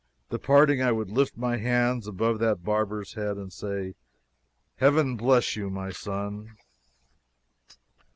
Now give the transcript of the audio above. Departing, I would lift my hands above that barber's head and say, "Heaven bless you, my son!"